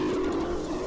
cơ quan cảnh sát